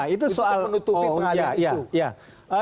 itu untuk menutupi pengalian isu